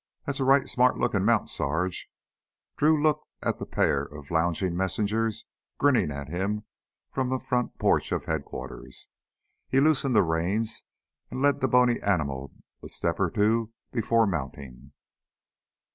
"That's a right smart lookin' mount, Sarge!" Drew looked at the pair of lounging messengers grinning at him from the front porch of headquarters. He loosened the reins and led the bony animal a step or two before mounting.